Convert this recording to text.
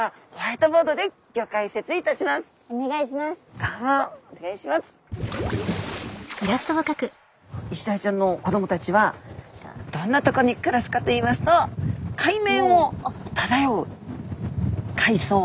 イシダイちゃんの子どもたちはどんなとこに暮らすかといいますと海面をただよう海藻。